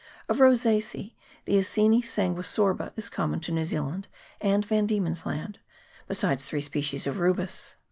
Of Rosace a, the Acoena sanguisorba is common to New Zealand and Van Diemen's Land, besides three species of Rubus.